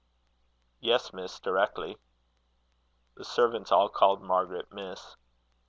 "Yes, Miss, directly." The servants all called Margaret, Miss.